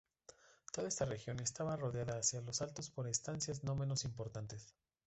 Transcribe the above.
Toda esta región, estaba rodeada hacia los altos, por estancias no menos importantes.